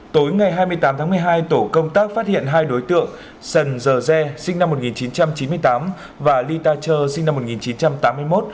tối ngày hai mươi tám tháng một mươi hai tổ công tác phát hiện hai đối tượng sần dờ dê sinh năm một nghìn chín trăm chín mươi tám và ly ta chơ sinh năm một nghìn chín trăm tám mươi một